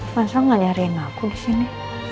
masal gak nyariin aku disini